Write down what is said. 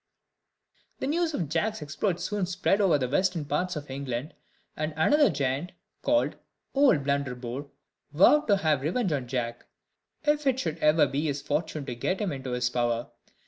The news of Jack's exploits soon spread over the western parts of England: and another giant, called Old Blunderbore, vowed to have revenge on Jack, if it should ever be his fortune to get him into his power.